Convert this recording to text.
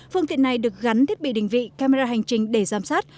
phương tiện này được gắn thiết bị định vị camera hành trình để giám sát